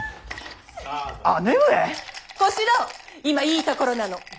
今いいところなの。